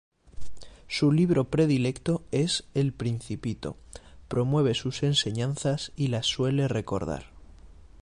Su libro predilecto es El Principito, promueve sus enseñanzas y las suele recordar.